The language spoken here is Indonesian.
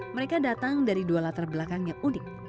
mereka datang dari dua latar belakang yang unik